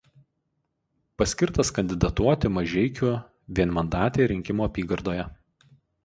Paskirtas kandidatuoti Mažeikių vienmandatėje rinkimų apygardoje.